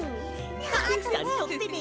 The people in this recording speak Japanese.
たくさんとってね！